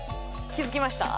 気づきました？」